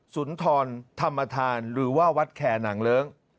สุนทรธรรมธานหรือว่าวัดแคร์หนังเลิ้ง